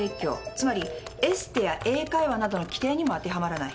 つまりエステや英会話などの規定にも当てはまらない。